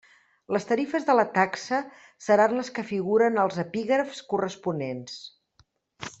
Les tarifes de la taxa seran les que figuren als epígrafs corresponents.